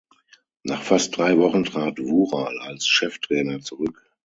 Nach fast drei Wochen trat Vural als Cheftrainer zurück.